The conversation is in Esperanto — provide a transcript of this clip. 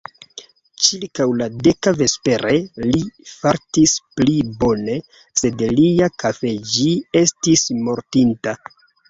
Ĉirkaŭ la deka vespere, li fartis pli bone, sed lia _kafeĝi_ estis mortinta.